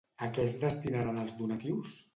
A què es destinaran els donatius?